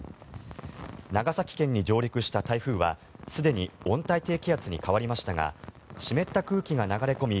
長崎県に上陸した台風はすでに温帯低気圧に変わりましたが湿った空気が流れ込み